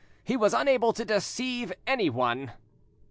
he was unable to deceive anyone!"